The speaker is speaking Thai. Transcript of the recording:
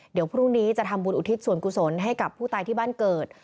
เดี๋ยวพรุ่งนี้จะทำบุญอุทิศส่วนกุศลให้กับผู้ตายที่บ้านเกิด